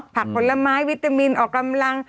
ผลไม้วิตามินออกกำลัง